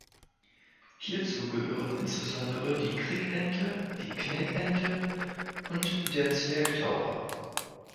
Hierzu gehören insbesondere die Krickente, die Knäkente und der Zwergtaucher.